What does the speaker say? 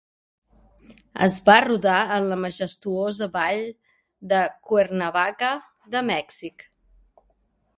Es va rodar en la majestuosa vall de Cuernavaca de Mèxic.